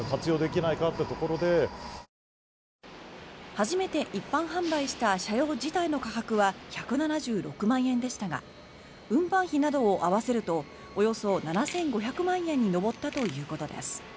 初めて一般販売した車両自体の価格は１７６万円でしたが運搬費などを合わせるとおよそ７５００万円に上ったということです。